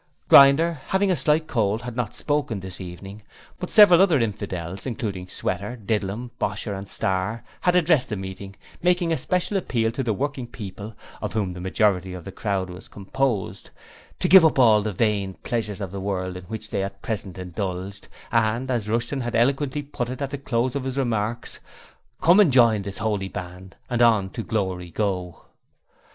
Grinder, having a slight cold, had not spoken this evening, but several other infidels, including Sweater, Didlum, Bosher, and Starr, had addressed the meeting, making a special appeal to the working people, of whom the majority of the crowd was composed, to give up all the vain pleasures of the world in which they at present indulged, and, as Rushton had eloquently put it at the close of his remarks: 'Come and jine this 'Oly band and hon to glory go!'